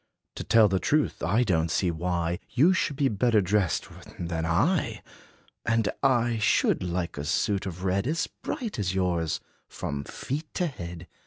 To tell the truth, I don 't see why You should be better dressed than I. And I should like a suit of red As bright as yours, from feet to head.